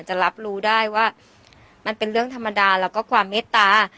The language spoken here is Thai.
จะรับรู้ได้ว่ามันเป็นเรื่องธรรมดาแล้วก็ความเมตตา